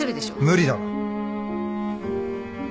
無理だろ。